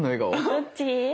どっち？